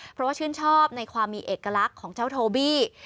เพราะว่าชื่นชอบในความมีเอกลักษณ์ของเจ้าโทบี้